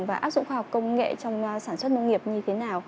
và áp dụng khoa học công nghệ trong sản xuất nông nghiệp như thế nào